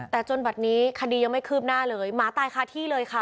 แต่จนบัดนี้คดียังไม่คืบหน้าเลยหมาตายคาที่เลยค่ะ